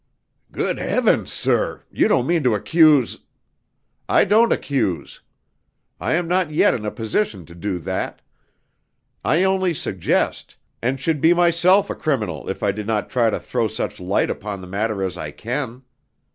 "Good heavens, sir, you don't mean to accuse " "I don't accuse. I am not yet in a position to do that. I only suggest, and should be myself a criminal if I did not try to throw such light upon the matter as I can.